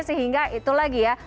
sehingga itu lagi ya